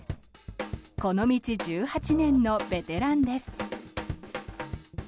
この道１８年のベテランです。